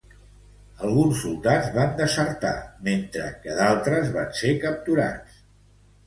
Alguns soldats van desertar mentre que d'altres van ser capturats.